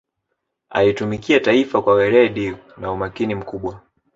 alitumikia taifa kwa weredi na umakini mkubwa